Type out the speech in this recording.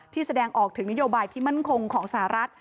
แสดงออกถึงนโยบายที่มั่นคงของสหรัฐ